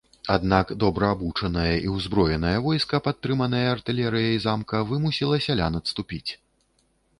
Аднак добра абучанае і ўзброенае войска, падтрыманае артылерыяй замка, вымусіла сялян адступіць.